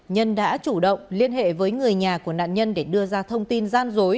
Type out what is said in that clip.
nhân đã chủ động liên hệ với người nhà của nạn nhân để đưa ra thông tin gian dối